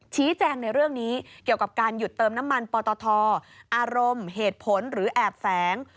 ชี้แจงในเรื่องนี้เกี่ยวกับการหยุดเติมน้ำมันปตทอารมณ์เหตุผลหรือแอบแฝง